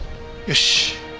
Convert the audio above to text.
よし。